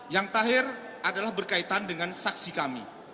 yang terakhir adalah berkaitan dengan saksi kami